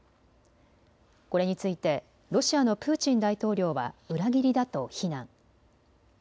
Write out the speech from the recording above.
これについてロシアのプーチン大統領は裏切りだと非難。